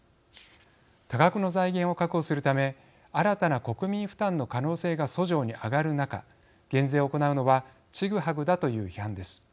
多額の財源を確保するため新たな国民負担の可能性がそ上に上がる中減税を行うのはちぐはぐだという批判です。